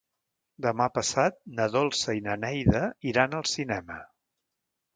Demà passat na Dolça i na Neida iran al cinema.